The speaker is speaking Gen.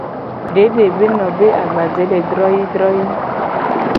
Dede be no be agbaze le droyii droyii.